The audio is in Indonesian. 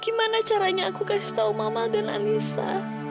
gimana caranya aku kasih tau mama dan anissa